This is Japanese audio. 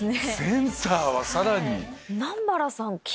センターはさらに。